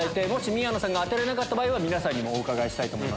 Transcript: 宮野さんが当てられなかった場合皆さんにもお伺いします。